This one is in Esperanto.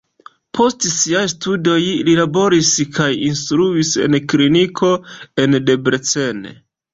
Post siaj studoj li laboris kaj instruis en kliniko en Debrecen.